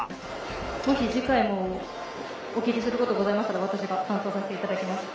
もし次回もお切りすることございましたら私が担当させて頂きます。